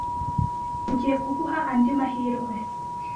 Ngiye kuguha andi mahirwe.